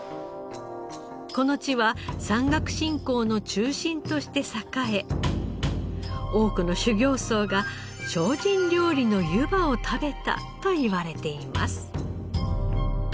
この地は山岳信仰の中心として栄え多くの修行僧が精進料理のゆばを食べたといわれています。